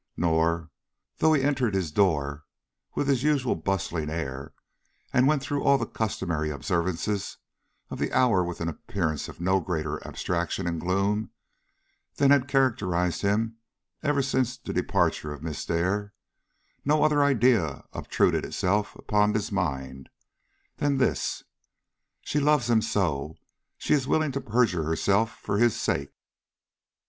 Nor, though he entered his door with his usual bustling air and went through all the customary observances of the hour with an appearance of no greater abstraction and gloom than had characterized him ever since the departure of Miss Dare, no other idea obtruded itself upon his mind than this: "She loves him so, she is willing to perjure herself for his sake!"